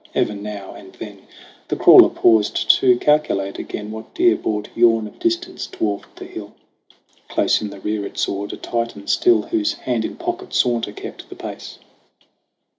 Ever now and then The crawler paused to calculate again What dear bought yawn of distance dwarfed the hill. Close in the rear it soared, a Titan still, Whose hand in pocket saunter kept the pace.